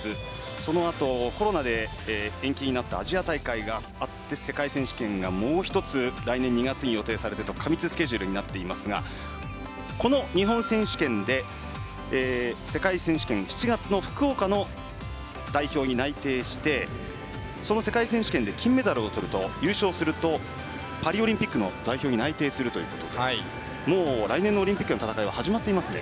そのあと、コロナで延期になったアジア大会があって世界選手権がもう一つ来年２月に予定されてと過密スケジュールになっていますがこの日本選手権で世界選手権７月の福岡の代表に内定してその世界選手権で金メダルを取ると優勝すると、パリオリンピックの代表に内定するということで来年のオリンピックの戦いは始まってますね。